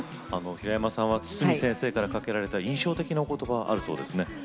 平山さんは筒美先生からかけられた印象的な言葉があるそうですね。